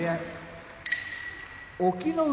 隠岐の海